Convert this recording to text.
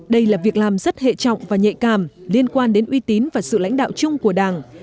đây là việc làm rất hệ trọng và nhạy cảm liên quan đến uy tín và sự lãnh đạo chung của đảng